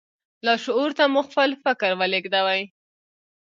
لاشعور ته مو خپل فکر ولېږدوئ.